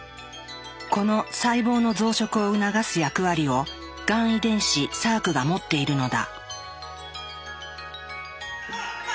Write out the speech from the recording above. この細胞の増殖を促す役割をがん遺伝子サークが持っているのだ。